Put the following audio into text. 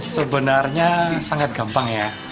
sebenarnya sangat gampang ya